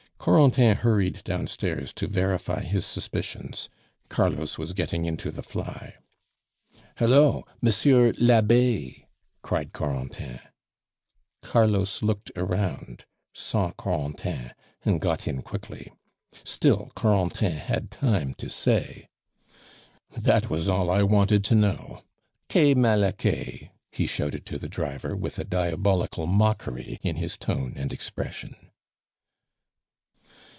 Corentin hurried downstairs to verify his suspicions: Carlos was getting into the fly. "Hallo! Monsieur l'Abbe!" cried Corentin. Carlos looked around, saw Corentin, and got in quickly. Still, Corentin had time to say: "That was all I wanted to know. Quai Malaquais," he shouted to the driver with diabolical mockery in his tone and expression.